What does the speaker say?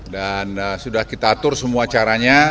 dan sudah kita atur semua caranya